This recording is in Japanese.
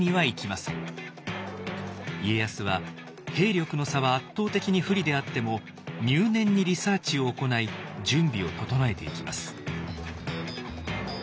家康は兵力の差は圧倒的に不利であっても入念にリサーチを行い準備を整えていきます。